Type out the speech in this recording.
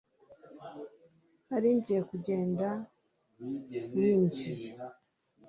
Nari ngiye kugenda winjiye